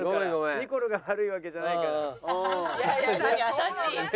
ニコルが悪いわけじゃないから。